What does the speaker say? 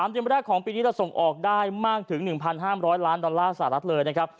เดือนแรกของปีนี้เราส่งออกได้มากถึง๑๕๐๐ล้านดอลลาร์สหรัฐเลยนะครับ